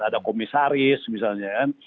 ada komisaris misalnya kan